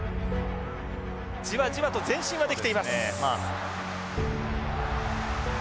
じわじわと前進はできています。